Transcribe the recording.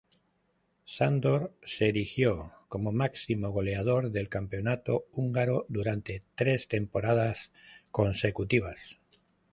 Sandor se erigió como máximo goleador del campeonato húngaro durante tres temporadas consecutivas.